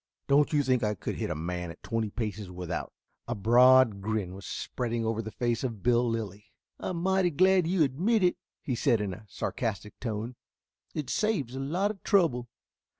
Don't you think I could hit a man at twenty paces without " A broad grin was spreading over the face of Bill Lilly. "I'm mighty glad you admit it," he said in a sarcastic tone. "It saves a lot of trouble."